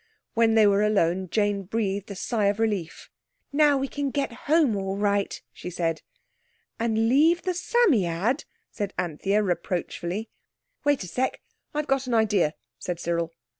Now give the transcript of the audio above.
When they were alone Jane breathed a sigh of relief. "Now we can get home all right," she said. "And leave the Psammead?" said Anthea reproachfully. "Wait a sec. I've got an idea," said Cyril.